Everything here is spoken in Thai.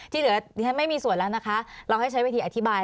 ที่เหลือดิฉันไม่มีส่วนแล้วนะคะเราให้ใช้วิธีอธิบาย